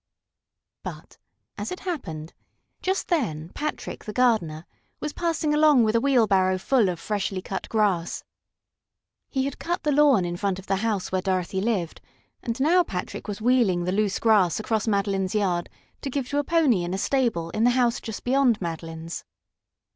But, as it happened, just then Patrick, the gardener, was passing along with a wheelbarrow full of freshly cut grass. He had cut the lawn in front of the house where Dorothy lived, and now Patrick was wheeling the loose grass across Madeline's yard to give to a pony in a stable in the house just beyond Madeline's.